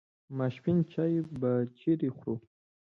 ماپښین چای به چیرې خورو.